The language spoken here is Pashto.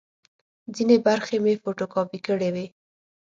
ځینې برخې مې فوټو کاپي کړې وې.